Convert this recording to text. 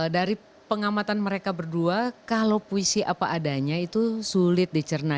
dari pengamatan mereka berdua kalau puisi apa adanya itu sulit dicerna